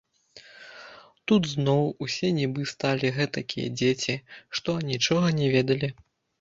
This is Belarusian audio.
Тут зноў усе нібы сталі гэтакія дзеці, што анічога не ведалі.